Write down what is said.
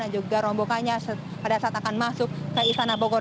dan juga rombongannya pada saat akan masuk ke istana bogor